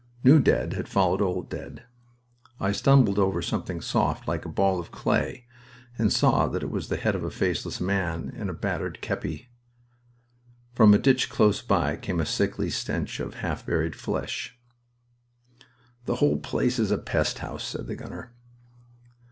New dead had followed old dead. I stumbled over something soft, like a ball of clay, and saw that it was the head of a faceless man, in a battered kepi. From a ditch close by came a sickly stench of half buried flesh. "The whole place is a pest house," said the gunner.